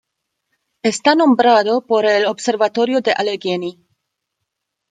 Está nombrado por el observatorio de Allegheny.